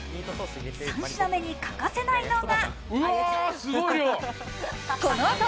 ３品目に欠かせないのが。